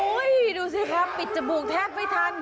ดูสิครับปิดจมูกแทบไม่ทัน